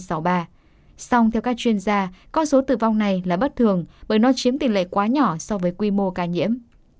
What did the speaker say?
song theo các chuyên gia con số tử vong này là bất thường bởi nó chiếm tỷ lệ quá nhỏ so với quy mô ca nhiễm